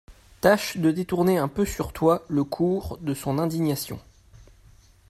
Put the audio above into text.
Tâche de détourner un peu sur toi le cours de son indignation.